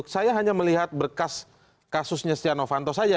saya hanya melihat berkas kasusnya stiano fanto saja